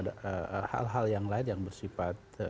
ada hal hal yang lain yang bersifat